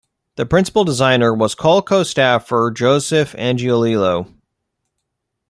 The principal designer was Coleco staffer Joseph Angiolillo.